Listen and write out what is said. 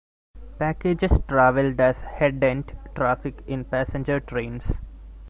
Packages traveled as "head end" traffic in passenger trains.